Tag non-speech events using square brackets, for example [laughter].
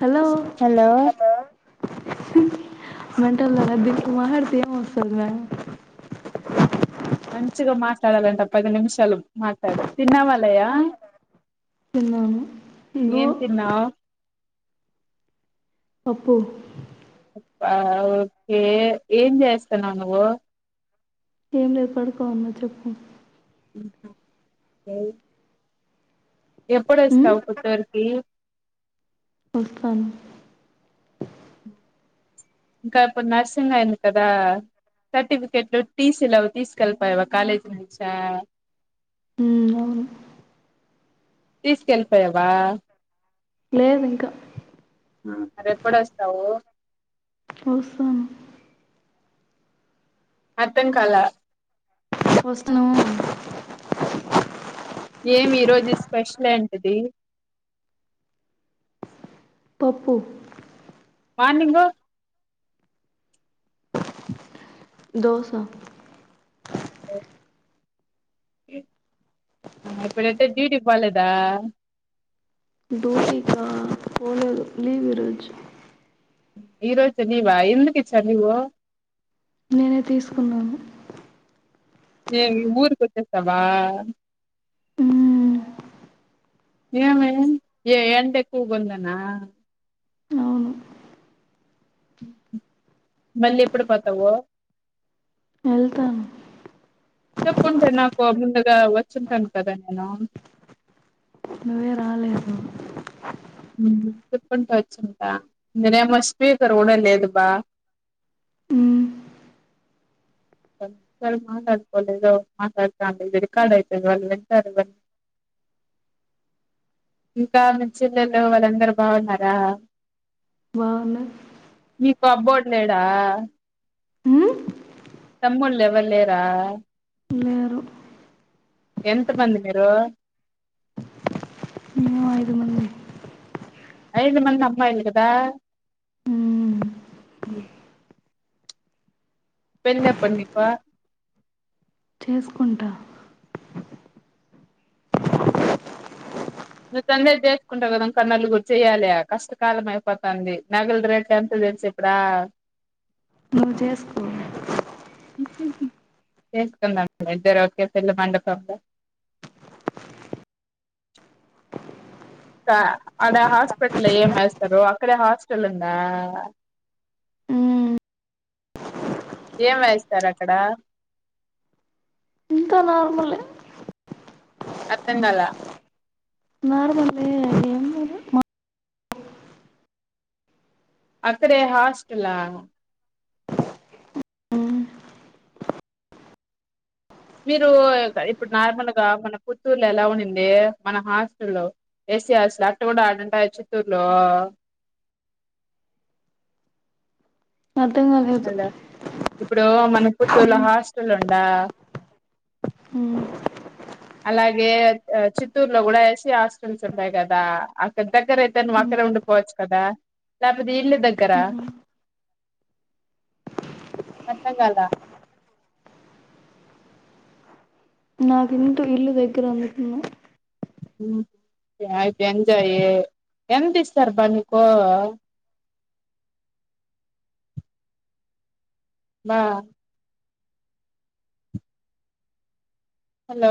Hello hello మంటల్ [unintelligible] వస్తున్నా మంచిగా మాస్ మాట్లాడాలంట పది నిమిషాలు మాట్లాడు తిన్నావాలయ తిన్నాను నువ్వు తిన్నావు చెప్పు ఓకే ఏం చేస్తానా నువు ఏం లేదు పడుకోని ఉన్నా చెప్పు అహ ఏ ఉమ్, ఎప్పుడొస్తావు పత్తూరికి వస్తాన్ ఇంకా ఇప్పుడు నర్సింగ్ అయింది కదా సర్టిఫికెట్లు టీసీలావి తీసుకెళ్ళిపోయావా కాలేజీ నుంచ ఉ అవును తీసుకెళ్ళిపోయావా లేదు ఇంకా అరెప్పుడు వస్తావు వస్తాం అర్థం కాలే వస్తును ఏమి ఈ రోజు స్పెషల్ ఏంటిది. పప్పు మార్నింగ్ దోస ఓ. ఈ ఇప్పుడైతే డ్యూటీకి పోలేదా. డూటికా. లేవ్ ఈరోజు. ఈరోజు నీవా ఎందుకి ఇచ్చ నువ్వు నేనే తీసుకున్నాను ఏ ఈ ఊర్కి వచ్చేస్తావా ఉమ్, నిమే ఏ ఎండ ఎక్కువగా ఉందనా అవును మళ్ళీ ఎప్పుడు పోతావ్ వెళ్తాన్ చెప్పుంటే. నాకు ముందుగా వచ్చుంటాను కదా నేను నువ్వే రాలేదు చెప్పుకుంటా వచ్చుంట నేనేం మ స్పీకర్ కొనలేదు లేదు బా ఉమ్, ఒకసారి మాట్లాడుకోలేదు. మాట్లాడుతా అంటే రికార్డ్ అయితది. వాళ్ళు వింటారు [unintelligible] ఇంకా మీ చెల్లెలు వాళ్ళందరు బాగున్నారా బాగున్న మీకు అబ్బోడు లేడా. తమ్ముల్ లేెవర్లేరా. లేరు. ఎంత్ మంది మీరు. మేము అయిదు మంది. ఐదు మంది అమ్మాయిలు కదా. ఉమ్ పెండ్లి ఎప్పుడ్ నీకు. చేస్కుంటా. నువ్వు తొందరగా చేసుకుంటావ్ కదా ఇంకా నలుగుర్ చెయ్యాలి, కష్టకాలం అయిపోతాంది. నగలు రేట్లు ఎంత తెలుసు ఇప్పుడా. నువ్ జేస్కో. చేసుకుందాం, ఇద్దరు ఓకే పెళ్ళి మండపంలో. [unintelligible] అడ హాస్పిటల్ లో ఏం ఏస్తారో, అక్కడే హాస్పిటల్ ఉందా. ఏం వేస్తార్ అక్కడ. ఇంకా నార్మలే. అర్థంగాలా. [unintelligible] అక్కడే హాస్టలా. మీరు ఇప్పుడు నార్మల్గా మన పుత్తూరులో ఎలా ఉండింది, మన హాస్టల్ లో, ఎస్సీ హాస్టల్ [unintelligible] ఆడా ఉంటాయా చిత్తూరులో. అర్థం కాలేదు హలో ఇప్పుడు, మన పుత్తూర్లో హాస్టల్ ఉండా. ఉమ్. అలాగే చిత్తూరులో కూడా ఎస్సీ హాస్టల్స్ ఉండాయి కదా. అక్కడ్ దగ్గర్ అయితే, నువ్వు అక్కడే ఉండిపోవచ్చు కదా, లేకపోతే ఈన్నే దగ్గరా. అర్థం కాలా. నాకు [unintelligible] ఇల్లు దగ్గర అందుకునే. ఆయితే ఎంజాయ్. ఎంత ఇస్తారబ్బా నీకు. బా. హలో.